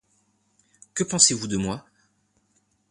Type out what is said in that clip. Que pensez-vous de moi ?